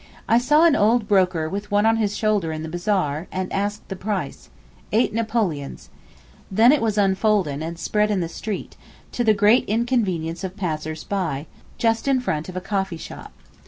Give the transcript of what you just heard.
I saw an old broker with one on his shoulder in the bazaar, and asked the price, 'eight napoleons'—then it was unfolded and spread in the street, to the great inconvenience of passers by, just in front of a coffee shop.